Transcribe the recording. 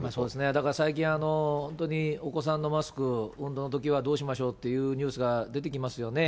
だから最近、本当にお子さんのマスク、運動のときはどうしましょうっていうニュースが出てきますよね。